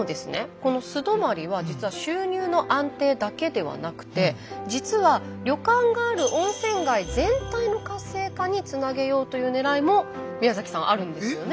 この素泊まりは実は収入の安定だけではなくて実は旅館がある温泉街全体の活性化につなげようというねらいも宮さんあるんですよね？